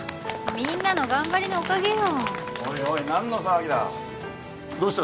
みんなの頑張りのおかげよおいおい何の騒ぎだどうした？